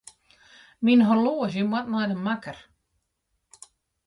Myn horloazje moat nei de makker.